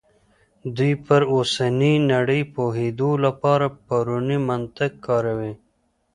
دوی پر اوسنۍ نړۍ پوهېدو لپاره پرونی منطق کاروي.